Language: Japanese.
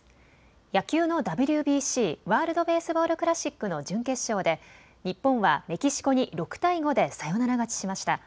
野球のＷＢＣ・ワールド・ベースボール・クラシックの準決勝で日本はメキシコに６対５でサヨナラ勝ちしました。